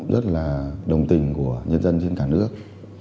rất là đồng tình của nhân dân trên cả nước